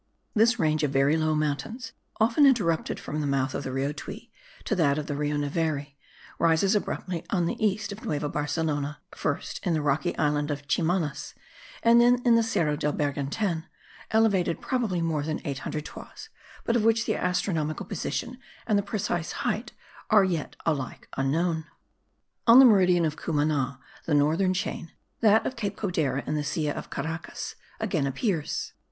This range of very low mountains, often interrupted from the mouth of the Rio Tuy to that of the Rio Neveri, rises abruptly on the east of Nueva Barcelona, first in the rocky island of Chimanas, and then in the Cerro del Bergantin, elevated probably more than 800 toises, but of which the astronomical position and the precise height are yet alike unknown. On the meridian of Cumana the northern chain (that of Cape Codera and the Silla of Caracas) again appears.